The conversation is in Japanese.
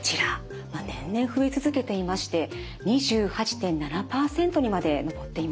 年々増え続けていまして２８．７％にまで上っています。